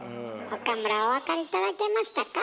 岡村お分かり頂けましたか？